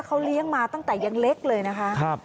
เขาเลี้ยงมาตั้งแต่ยังเล็กเลยนะคะ